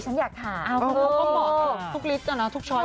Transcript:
ฉันอยากถามคือเขาก็บอกทุกลิสต์นะทุกช้อย